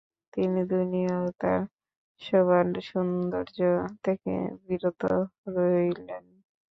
তিনি দুনিয়া ও তার শোভা-সৌন্দর্য থেকে বিরত রইলেন।